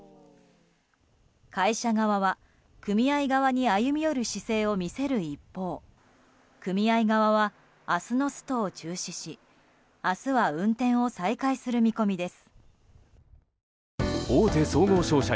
会社側は、組合側に歩み寄る姿勢を見せる一方組合側は明日のストを中止し明日は運転を再開する見込みです。